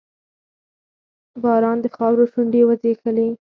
باران د خاورو شونډې وځبیښلې